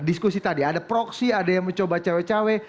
diskusi tadi ada proksi ada yang mencoba cewek cewek